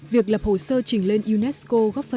việc lập hồ sơ trình lên unesco góp pháp